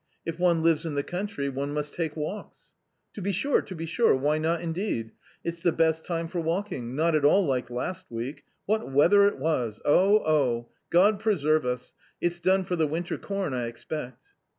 If one lives in the country, one must take walks." "To be sure, to be sure, why not, indeed ? it's the best time for walking : not at all like last week ; what weather it was, oh, oh ! God preserve us ! It's done for the winter corn, I expect."